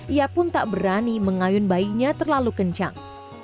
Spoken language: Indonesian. ia pun tak berani mengayun bayinya terlalu kencang